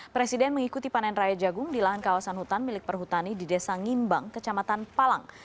presiden mengikuti panen raya jagung di lahan kawasan hutan milik perhutani di desa ngimbang kecamatan palang